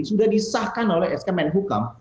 sudah disahkan oleh sk menbo kam